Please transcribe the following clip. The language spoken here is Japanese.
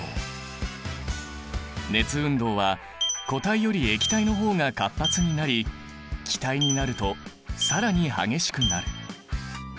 熱運動は固体より液体の方が活発になり気体になると更に激しくなる。